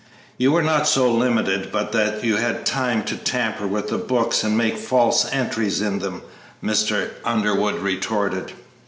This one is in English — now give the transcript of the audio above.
"You were not so limited but that you had time to tamper with the books and make false entries in them," Mr. Underwood retorted.